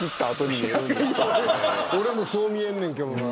俺もそう見えんねんけどな。